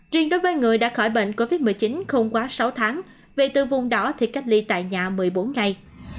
riêng đối với người đã khỏi bệnh covid một mươi chín không quá sáu tháng về từ vùng đó thì cách ly tại nhà một mươi bốn ngày